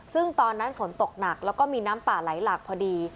ซึ่งตอนนั้นฝนตกหนักแล้วก็มีน้ำป่าไหลหลากพอดี